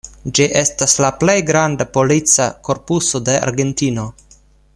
Ĝi estas la plej granda polica korpuso de Argentino.